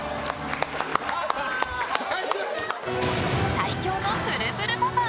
最強のプルプルパパ